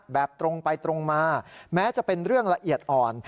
แบบตรงไปตรงมาแม้จะเป็นเรื่องละเอียดอ่อน